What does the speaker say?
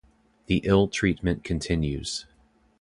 The ill treatment continues.